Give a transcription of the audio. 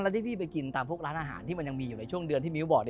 แล้วที่พี่ไปกินตามพวกร้านอาหารที่มันยังมีอยู่ในช่วงเดือนที่มิ้วบอก